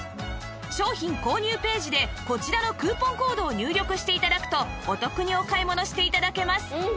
商品購入ページでこちらのクーポンコードを入力して頂くとお得にお買い物して頂けます